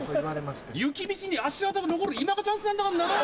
雪道に足跡が残る今がチャンスなんだかんな？